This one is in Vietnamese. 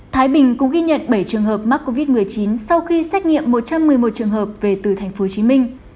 thái bình cũng ghi nhận bảy trường hợp mắc covid một mươi chín sau khi xét nghiệm một trăm một mươi một trường hợp về từ thành phố hồ chí minh